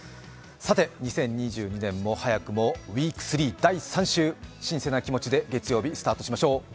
さて、２０２２年も早くもウイーク３、第３週、新鮮な気持ちで月曜日をスタートしましょう。